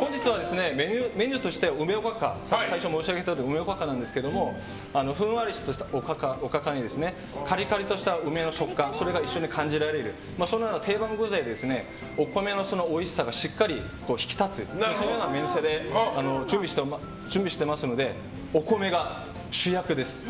本日はメニューとして梅おかかなんですけれどもふんわりとしたおかかにカリカリとした梅の食感それが一緒に感じられるそのような定番でお米のおいしさがしっかり引き立つそのように準備してますのでお米が主役です。